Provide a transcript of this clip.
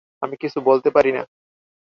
আমি কিছুই বলিতে পারি না।